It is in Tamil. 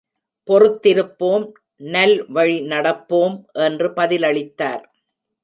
பொறுத்திருப்போம், நல்வழி நடப்போம் என்று பதிலளித்தார்.